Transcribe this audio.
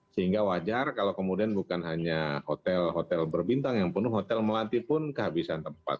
sehingga wajar kalau kemudian bukan hanya hotel hotel berbintang yang penuh hotel melati pun kehabisan tempat